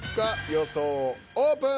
予想オープン。